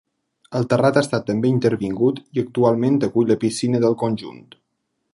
El terrat ha estat també intervingut i actualment acull la piscina del conjunt.